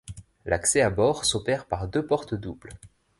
L'accès à bord s'opère par deux portes doubles.